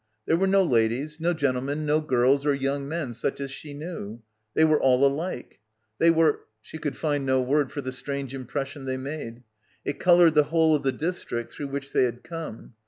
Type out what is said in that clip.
There were no ladies, no gentlemen, no girls or young men such as she knew. They were all alike. They were ... She could find no word for the — 19 — PILGRIMAGE strange impression they made. It coloured the whole of the district through which they had come.